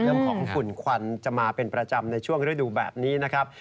เรื่องของฝุ่นควันจะมาเป็นประจำในช่วงฤดูแบบนี้นะครับ